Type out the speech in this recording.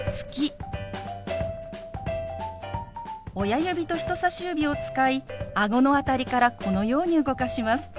親指と人さし指を使いあごの辺りからこのように動かします。